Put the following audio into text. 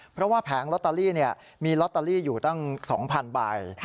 เพราะว่าแผงลอตเตอรี่มีลอตเตอรี่อยู่ตั้ง๒๐๐๐ใบ